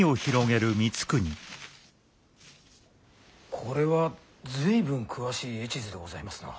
これは随分詳しい絵地図でございますな。